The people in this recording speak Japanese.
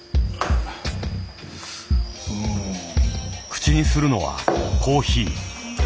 口にするのはコーヒー。